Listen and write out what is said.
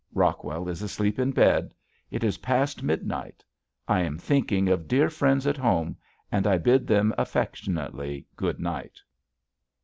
Rockwell is asleep in bed. It is past midnight. I am thinking of dear friends at home, and I bid them affectionately good night.